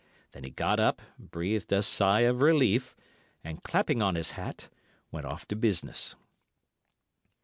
Then he got up, breathed a sigh of relief, and, clapping on his hat, went off to business.